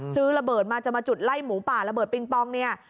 ซื้อระเบิดมาจะมาจุดไล่หมูป่าระเบิดปิงปองเนี่ย